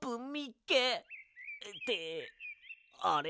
ってあれ？